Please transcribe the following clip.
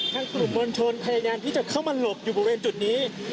กลุ่มมวลชนพยายามที่จะเข้ามาหลบอยู่บริเวณจุดนี้